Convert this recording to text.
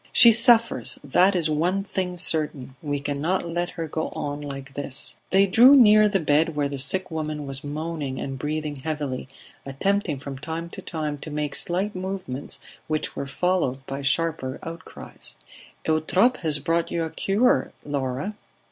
"She suffers, that is one thing certain; we cannot let her go on like this." They drew near the bed where the sick woman was moaning and breathing heavily, attempting from time to time to make slight movements which were followed by sharper outcries. "Eutrope has brought you a cure, Laura."